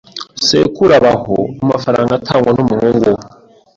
Sekuru abaho amafaranga atangwa n'umuhungu we.